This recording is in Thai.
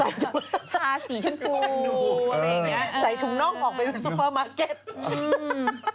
ทาสีชมพูใส่ถุงน่องออกไปที่ซุปเปอร์มาร์เก็ต